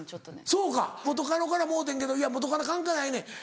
そうか元カノからもろうてんけど元カノ関係ないねん。